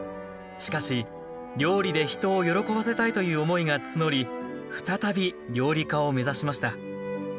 しかし料理で人を喜ばせたいという思いが募り再び料理家を目指しました